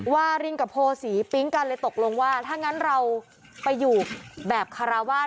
วารินกับโพศีปิ๊งกันเลยตกลงว่าถ้างั้นเราไปอยู่แบบคาราวาส